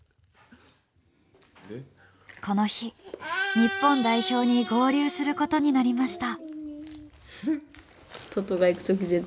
この日日本代表に合流することになりました。